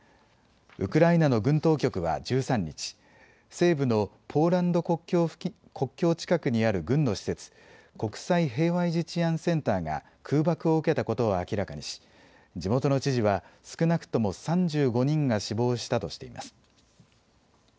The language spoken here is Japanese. ウクライナの軍当局は１３日、西部のポーランド国境近くにある軍の施設、国際平和維持治安センターが空爆を受けたことを明らかにし地元の知事は少なくとも３５人が死亡したとしています。